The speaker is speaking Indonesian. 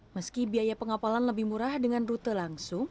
meski biaya pengapalan lebih murah dengan rute langsung